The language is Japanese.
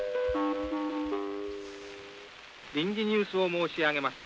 「臨時ニュースを申し上げます。